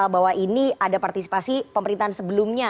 bahwa ini ada partisipasi pemerintahan sebelumnya